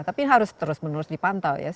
tapi harus terus menerus dipantau ya